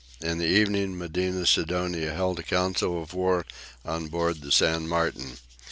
In the evening Medina Sidonia held a council of war on board the "San Martin."